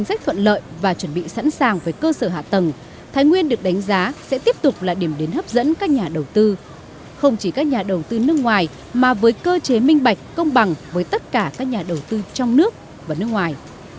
để chuẩn bị sẵn sàng với cơ sở hạ tầng thái nguyên được đánh giá sẽ tiếp tục là điểm đến hấp dẫn các nhà đầu tư không chỉ các nhà đầu tư nước ngoài mà với cơ chế minh bạch công bằng với tất cả các nhà đầu tư trong nước và nước ngoài